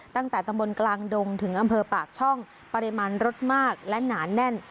ตั้งแต่ตำบลกลางดงถึงอำเภอปากช่องปริมาณรถมากและหนาแน่น